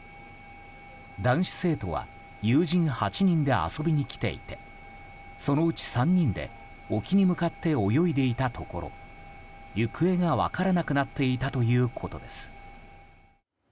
男子生徒は友人８人で遊びに来ていてそのうち３人で沖に向かって泳いでいたところ行方が分からなくなっていたということです。